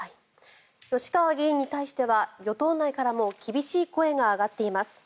吉川議員に対しては与党内からも厳しい声が上がっています。